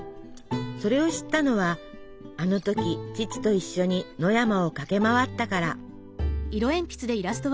それを知ったのはあの時父と一緒に野山を駆け回ったから。